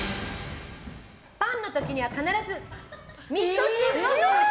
パンの時には必ずみそ汁を飲む人。